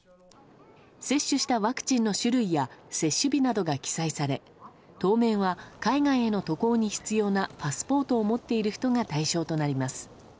接種したワクチンの種類や接種日などが記載され当面は、海外への渡航に必要なパスポートを持っている人が対象となります。